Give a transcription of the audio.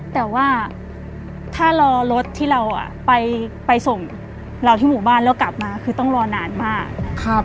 แต่ว่าถ้ารอรถที่เราไปส่งเราที่หมู่บ้านแล้วกลับมาคือต้องรอนานมาก